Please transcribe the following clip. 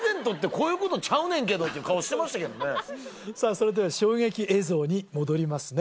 それでは衝撃映像に戻りますね